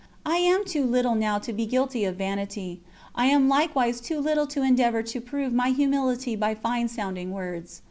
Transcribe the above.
I am too little now to be guilty of vanity; I am likewise too little to endeavour to prove my humility by fine sounding words.